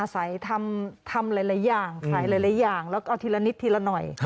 อาศัยทำหลายอย่างแล้วก็ทีละนิดทีละหน่อย